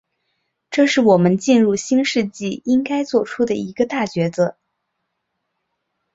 这是我们进入新世纪应该作出的一个大决策。